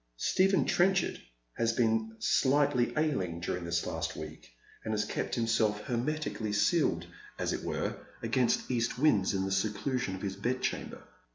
Stephen Trenchard has been slightly ailing during the last week, and has kept himself hermetically sealed, as it were, 174 Dead Men's Shoes. against cast winds in the seclusion of his bedchamber.